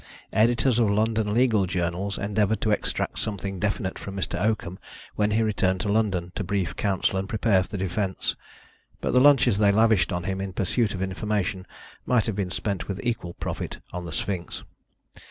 Editors of London legal journals endeavoured to extract something definite from Mr. Oakham when he returned to London to brief counsel and prepare the defence, but the lunches they lavished on him in pursuit of information might have been spent with equal profit on the Sphinx.